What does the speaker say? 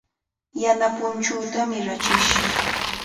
Yana punchuutami rachish.